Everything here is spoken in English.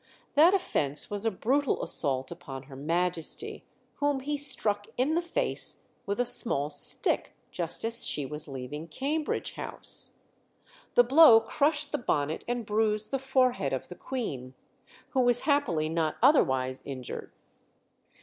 That offence was a brutal assault upon Her Majesty, whom he struck in the face with a small stick just as she was leaving Cambridge House. The blow crushed the bonnet and bruised the forehead of the Queen, who was happily not otherwise injured.